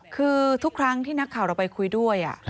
คือทุกครั้งที่นักข่าวเราไปคุยด้วย